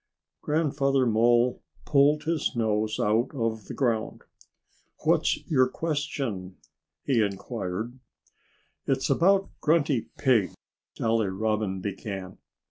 Grandfather Mole pulled his nose out of the ground. "What's your question?" he inquired. "It's about Grunty Pig," Jolly Robin began.